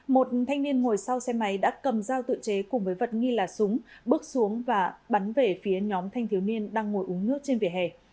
một thanh niên ngồi sau xe máy đã cầm dao tự chế cùng với vật nghi là súng bước xuống và bắn về phía nhóm thanh thiếu niên đang ngồi uống nước trên vỉa hè